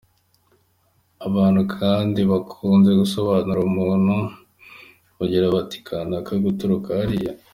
Abantu kandi bakunze gusobanura umuntu bagira bati: “kanaka guturuka hariya …”.